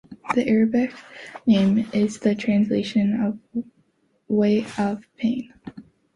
The Arabic name is the translation of way of pain.